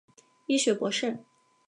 医学博士。